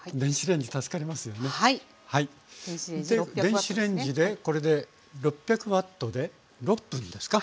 電子レンジでこれで６００Ｗで６分ですか？